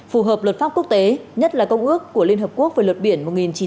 phù hợp luật pháp quốc tế nhất là công ước của liên hợp quốc về luật biển một nghìn chín trăm tám mươi hai